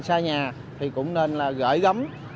xa nhà thì cũng nên gửi gắm